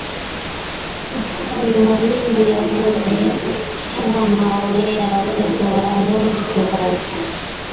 Simulizi Wazazi Wanaolea Watoto wa Rangi Tofauti